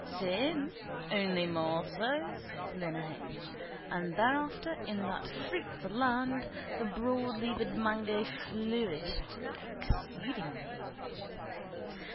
—Same only more so, says Lenehan. And thereafter in that fruitful land the broadleaved mango flourished exceedingly.